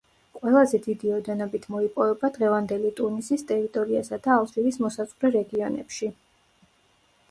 ყველაზე დიდი ოდენობით მოიპოვება დღევანდელი ტუნისის ტერიტორიასა და ალჟირის მოსაზღვრე რეგიონებში.